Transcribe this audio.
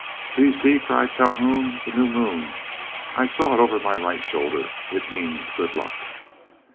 "See! see!" cried Calhoun, "the new moon, I saw it over my right shoulder. It means good luck."